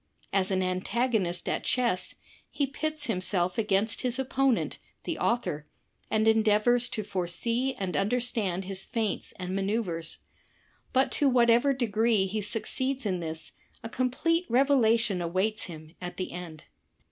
As an antagonist at chess, he pits himself against his opponent, the author, and endeavors to foresee and imder^ stand his feints and maneuvers. But to whatever degree he succeeds in this, a complete revelation awaits him at the end.